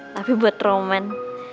tapi buat roman